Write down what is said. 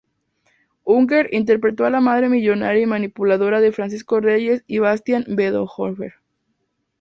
Unger interpretó a la madre millonaria y manipuladora de Francisco Reyes y Bastián Bodenhöfer.